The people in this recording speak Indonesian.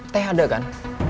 teh ada kan